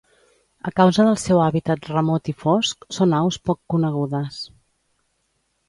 A causa del seu hàbitat remot i fosc, són aus poc conegudes.